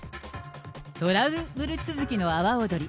トラブル続きの阿波おどり。